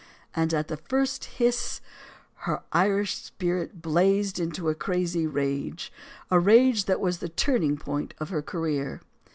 And at the first hiss, her Irish spirit blazed into a crazy rage; a rage that was the turning point of her career.